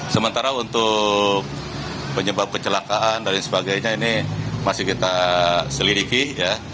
sementara untuk penyebab kecelakaan dan sebagainya ini masih kita selidiki ya